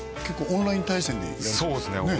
結構オンライン対戦でねえそうですね